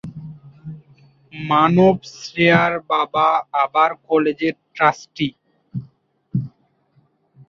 মানভ-শ্রেয়ার বাবা আবার কলেজের ট্রাস্টি।